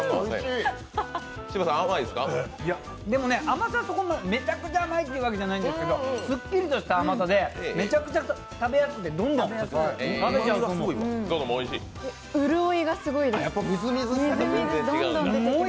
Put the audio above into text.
甘さめちゃくちゃ甘いというわけじゃないんですけどすっきりとした甘さでめちゃくちゃ食べやすくてどんどん食べちゃうと思う。